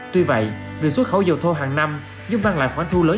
tuy vậy việc xuất khẩu dầu thô hàng năm giúp mang lại khoản thu lớn